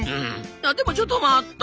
あでもちょっと待った！